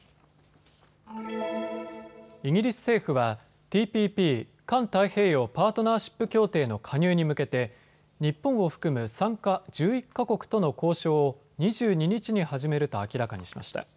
イギリス政府はＴＰＰ・環太平洋パートナーシップ協定の加入に向けて日本を含む参加１１か国との交渉を２２日に始めると明らかにしました。